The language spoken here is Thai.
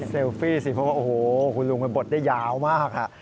ฟี่สิเพราะว่าโอ้โหคุณลุงมันบดได้ยาวมาก